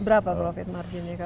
berapa profit marginnya kalau